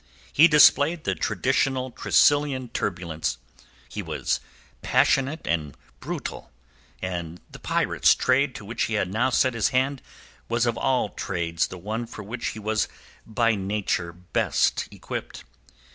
He displayed the traditional Tressilian turbulence. He was passionate and brutal, and the pirate's trade to which he had now set his hand was of all trades the one for which he was by nature best equipped.